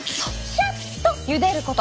シャットゆでること！